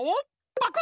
パク！